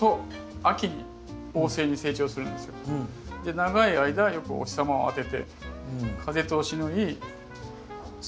長い間よくお日様を当てて風通しのいい外。